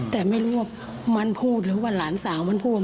แต่ไม่รู้ว่ามันพูดหรือว่าหลานสาวมันพูด